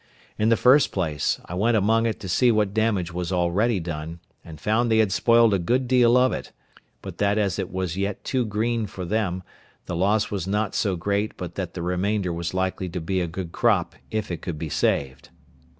In the first place, I went among it to see what damage was already done, and found they had spoiled a good deal of it; but that as it was yet too green for them, the loss was not so great but that the remainder was likely to be a good crop if it could be saved.